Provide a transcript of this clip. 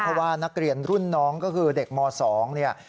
เพราะว่านักเรียนรุ่นน้องก็คือเด็กม๒เนี่ย